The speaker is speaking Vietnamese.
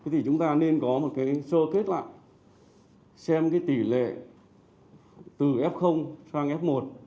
thì chúng ta nên có một cái sơ kết lại xem cái tỷ lệ từ f sang f một